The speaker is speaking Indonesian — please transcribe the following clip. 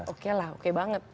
oke lah oke banget